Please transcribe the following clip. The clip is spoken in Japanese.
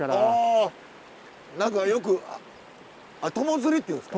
何かよく友釣りっていうんですか？